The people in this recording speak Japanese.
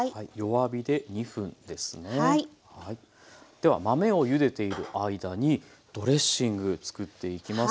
では豆をゆでている間にドレッシング作っていきます。